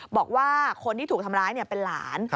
บอกว่าคนที่ถูกทำร้ายเป็นหลาน